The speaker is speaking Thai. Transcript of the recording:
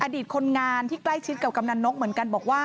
อดีตคนงานที่ใกล้ชิดกับกำนันนกเหมือนกันบอกว่า